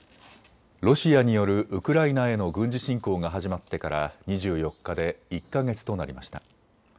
ロシアによるウクライナへの軍事侵攻が始まってから２４日で１か月となりました。